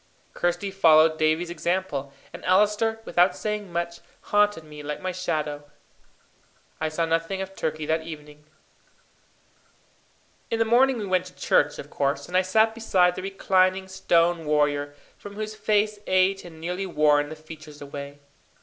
Kirsty followed Davie's example, and Allister, without saying much, haunted me like my shadow. I saw nothing of Turkey that evening. In the morning we went to church, of course, and I sat beside the reclining stone warrior, from whose face age had nearly worn the features away.